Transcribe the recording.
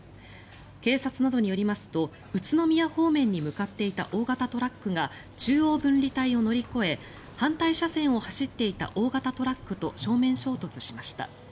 警察などによりますと宇都宮方面に向かっていた大型トラックが中央分離帯を乗り越え反対車線を走っていた大型トラックと正面衝突しました。